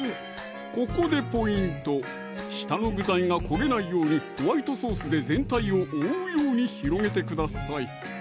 ここでポイント下の具材が焦げないようにホワイトソースで全体を覆うように広げてください